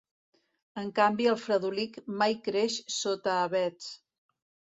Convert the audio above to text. En canvi, el fredolic mai creix sota avets.